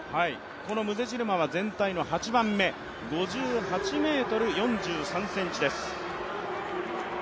このムゼシルマは全体の８番目、５８ｍ４３ｃｍです。